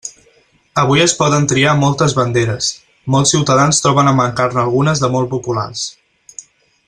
Avui es poden triar moltes banderes, molts ciutadans troben a mancar-ne algunes de molt populars.